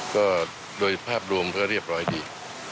ก็โดยภาพรวมก็เรียบร้อยดี